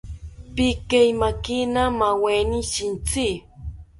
Pikeimakina nowero shintzi